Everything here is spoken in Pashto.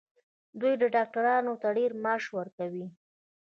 دوی ډاکټرانو ته ډیر معاش ورکوي.